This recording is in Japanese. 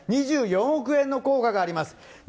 ２４億円の効果があります。